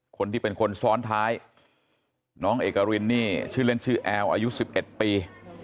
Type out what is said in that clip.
คนที่เป็นคนซ้อนท้ายน้องเอกรินนี่ชื่อเล่นชื่อแอลอายุ๑๑ปี